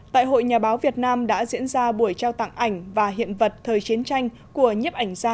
tại hội nhà báo việt nam đã diễn ra buổi trao tặng ảnh và hiện vật thời chiến tranh của nhiếp ảnh gia